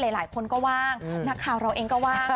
หลายคนก็ว่างนักข่าวเราเองก็ว่าง